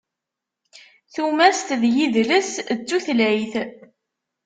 Tumast d yidles d tutlayt.